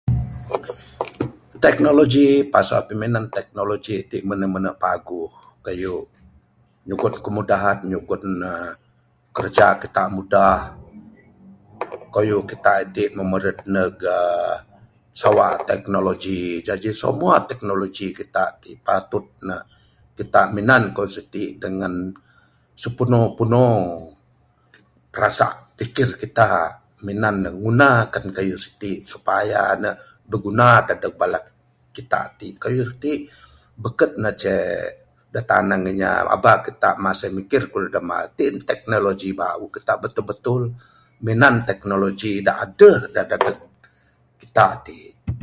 Teknologi pasal piminan teknologi iti mine mine paguh keyuh nyugon kemudahan nyugon kerja kita mudah keyuh kita iti moh mereti ndek uhh sewa teknologi. Jadi semua teknologi kita t patut ne kita minan keyuh siti dengan sepuno puno rasa pikir kita minan ne nguna kan keyuh siti supaya ne bigunan dadek bala kita t. Keyuh t beken ne ceh dak tanang inya eba kita masih mikir keyuh dak demba t teknologi bauh. Kita betul betul minan teknologi dak adeh dak dadeng kita t.